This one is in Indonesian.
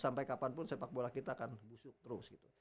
sampai kapanpun sepak bola kita akan busuk terus gitu